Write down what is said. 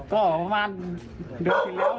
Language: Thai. ก็มาดูที่แล้ว